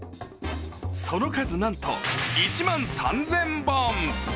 その数なんと１万３０００本。